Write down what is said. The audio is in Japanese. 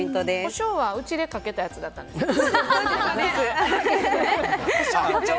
コショウはうちでかけたやつやったんですね。